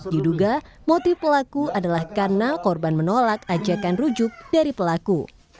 diduga motif pelaku adalah karena korban menolak ajakan rujuk dari pelaku